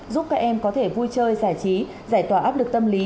giúp các em có thể vui chơi giải trí giải tỏa áp lực tâm lý